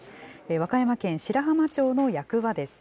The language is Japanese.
和歌山県白浜町の役場です。